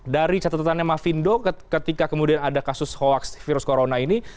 dari catatannya mafindo ketika kemudian ada kasus hoax virus corona ini